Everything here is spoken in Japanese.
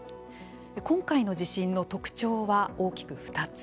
今回の地震の特徴は大きく２つ。